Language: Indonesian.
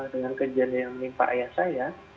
dengan kejadian yang menimpa ayah saya